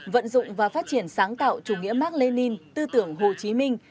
vận dụng và phát triển sáng tạo chủ nghĩa mark lenin tư tưởng hồ chí minh